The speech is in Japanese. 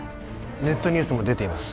ネットニュースも出ています